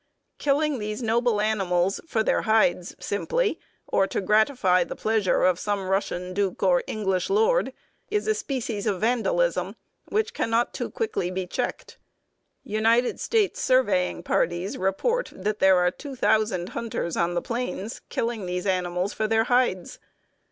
Killing these noble animals for their hides simply, or to gratify the pleasure of some Russian duke or English lord, is a species of vandalism which can not too quickly be checked. United States surveying parties report that there are two thousand hunters on the plains killing these animals for their hides.